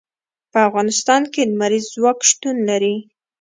په افغانستان کې لمریز ځواک شتون لري.